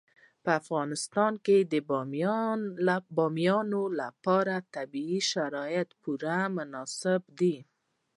په افغانستان کې د بامیان لپاره طبیعي شرایط پوره مناسب دي.